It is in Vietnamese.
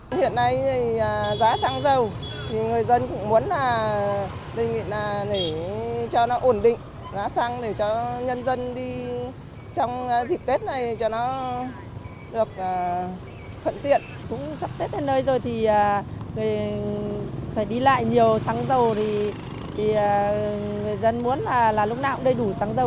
nhiều xăng dầu thì người dân muốn là lúc nào cũng đầy đủ xăng dầu